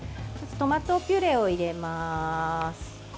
トマトピュレを入れます。